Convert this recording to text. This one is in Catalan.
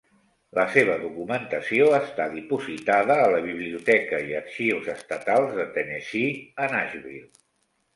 La seva documentació està dipositada a la Biblioteca i arxius estatals de Tennessee a Nashville.